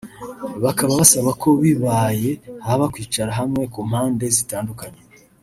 bakaba basaba ko bibaye haba kwicara hamwe ku mpande zitandukanye